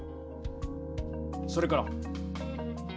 それから？